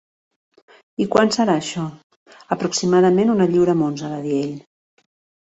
"I quant serà això?" "Aproximadament una lliura amb onze," va dir ell.